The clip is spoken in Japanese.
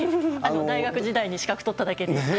大学時代に資格取っただけで。